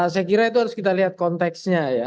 saya kira itu harus kita lihat konteksnya ya